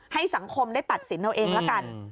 ให้สังคมได้ตัดสินเอาเองละกัน